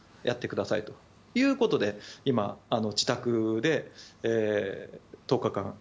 やってくださいということで今、自宅で１０日間